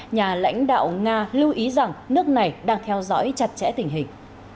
nhà lãnh đạo nga lưu ý rằng nước này đang theo dõi chặt chẽ tình hình